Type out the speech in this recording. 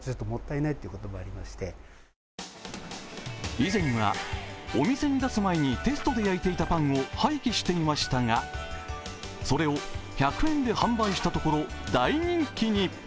以前はお店に出す前にテストで焼いていたパンを廃棄していましたが、それを１００円で販売したところ、大人気に。